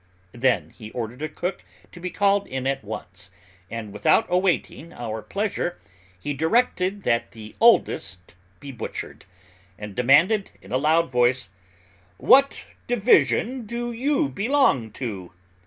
Then he ordered a cook to be called in at once, and without awaiting our pleasure, he directed that the oldest be butchered, and demanded in a loud voice, "What division do you belong too?"